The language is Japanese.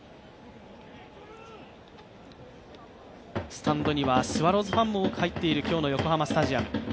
スタンドにはスワローズファンも多く入っている今日の横浜スタジアム。